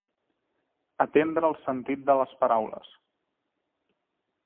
Atendre al sentit de les paraules.